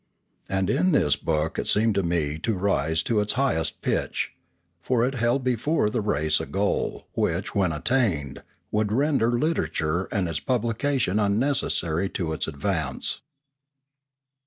And in this book it seemed to me to rise to its highest pitch; for it held before the race a goal, which, when attained, would render literature and its publication unnecessary to its advance.